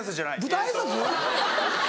舞台挨拶？